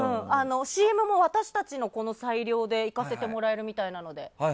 ＣＭも私たちの裁量で行かせてもらえるみたいなので。